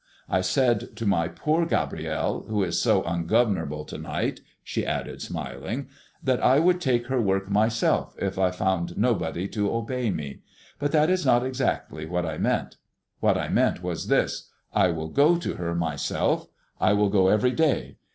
I said to my poor Gabrielle, who is so ungovernable to night," she added, smiling, "that I would take her work myself if I found nobody to obey me; but that is not exactly what I meant. What I meant was this: I will go to her myself; I will go every day.